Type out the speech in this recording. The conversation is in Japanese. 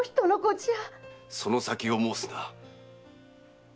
その先を申すな。